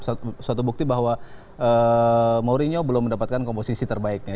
suatu bukti bahwa mourinho belum mendapatkan komposisi terbaiknya